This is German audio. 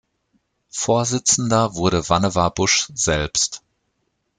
Vorsitzender wurde Vannevar Bush selbst.